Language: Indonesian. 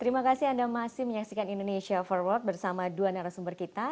terima kasih anda masih menyaksikan indonesia forward bersama dua narasumber kita